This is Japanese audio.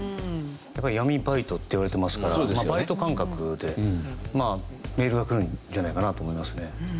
やっぱり闇バイトっていわれてますからバイト感覚でメールがくるんじゃないかなと思いますね。